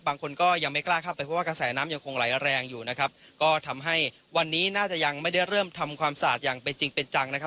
บางคนก็ยังไม่กล้าเข้าไปเพราะว่ากระแสน้ำยังคงไหลแรงอยู่นะครับก็ทำให้วันนี้น่าจะยังไม่ได้เริ่มทำความสะอาดอย่างเป็นจริงเป็นจังนะครับ